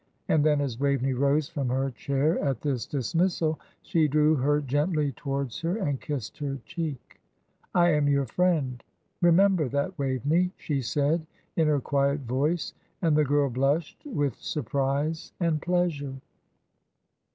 And then, as Waveney rose from her chair at this dismissal, she drew her gently towards her, and kissed her cheek. "I am your friend; remember that, Waveney," she said, in her quiet voice, and the girl blushed with surprise and pleasure.